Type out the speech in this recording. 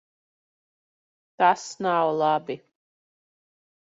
Tas nav labi.